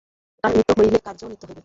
কারণ নিত্য হইলে কার্যও নিত্য হইবে।